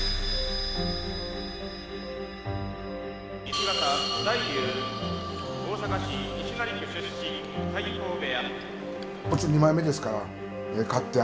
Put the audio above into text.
西方、大竜大阪市西成区出身、大鵬部屋。